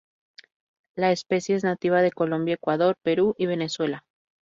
La especie es nativa de Colombia, Ecuador, Perú y Venezuela.